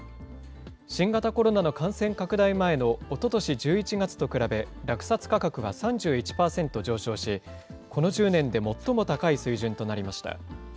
新型コロナの感染拡大前のおととし１１月と比べ、落札価格が３１％上昇し、この１０年で最も高い水準となりました。